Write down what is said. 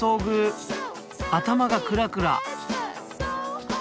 頭がクラクラ。